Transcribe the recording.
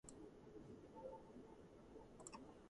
აგრეთვე დიდ ინტერესს იწვევს აზიური ალვის ხეების კორომი.